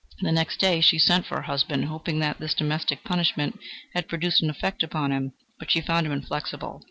The next day she sent for her husband, hoping that this domestic punishment had produced an effect upon him, but she found him inflexible.